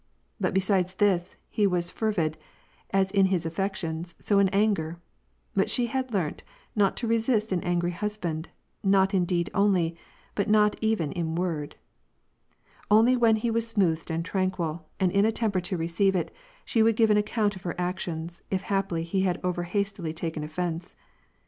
But besides this, he was fervid, as in his affections, so in anger: but she had learnt, not to resist an angry husband, not in deed only, but not even in word. Only when he was smoothed and tranquil, and in a temper to receive it, she would give an account of her actions, if haply he had over hastily taken offence.